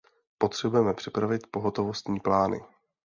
Potřebujeme připravit pohotovostní plány.